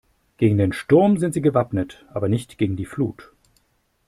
Gegen den Sturm sind sie gewappnet, aber nicht gegen die Flut.